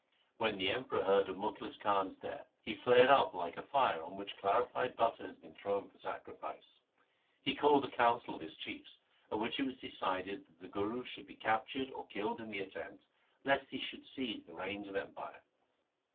When the Emperor heard of Mukhlis Khan's death, he flared up like a fire on which clarified butter has been thrown for sacrifice. He called a council of his chiefs, at which it was decided that the Guru should be captured or killed in the attempt, lest he should seize the reins of empire.